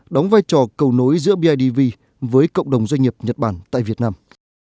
đóng vai trò cầu nối giữa bidv với cộng đồng doanh nghiệp nhật bản tại việt nam